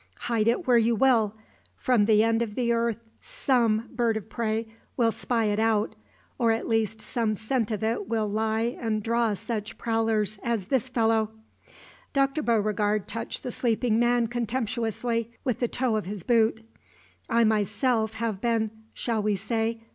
Hide it where you will, from the end of the earth some bird of prey will spy it out, or at least some scent of it will lie and draw such prowlers as this fellow." Dr. Beauregard touched the sleeping man contemptuously with the toe of his boot. "I myself have been shall we say?